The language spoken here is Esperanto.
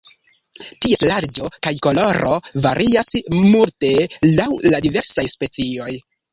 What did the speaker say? Ties larĝo kaj koloro varias multe laŭ la diversaj specioj.